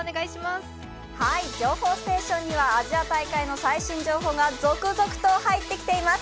情報ステーションにはアジア大会の最新情報が続々と入ってきています。